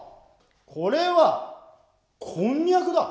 これはこんにゃくだ。